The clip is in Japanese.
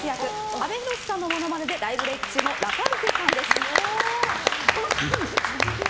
阿部寛さんのものまねで大ブレーク中のラパルフェさんです。